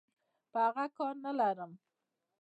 په اغه کار نلرم.